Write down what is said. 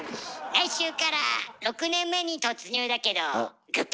来週から６年目に突入だけどグッバイ！